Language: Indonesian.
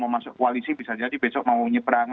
mau masuk koalisi bisa jadi besok mau nyebrang